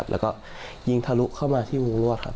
แล้วก็ยิงทะลุเข้ามาที่หัวรั่วครับ